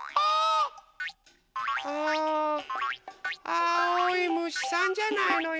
あおいむしさんじゃないのよ！